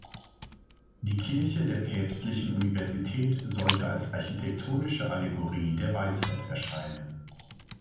Die Kirche der päpstlichen Universität sollte als architektonische Allegorie der Weisheit erscheinen.